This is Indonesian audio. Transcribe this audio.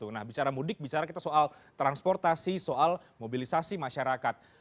nah bicara mudik bicara kita soal transportasi soal mobilisasi masyarakat